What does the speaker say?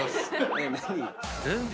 えっ何？